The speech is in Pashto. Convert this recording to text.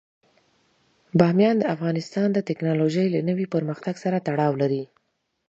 بامیان د افغانستان د تکنالوژۍ له نوي پرمختګ سره تړاو لري.